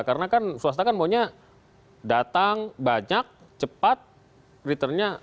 karena kan swasta kan maunya datang banyak cepat return nya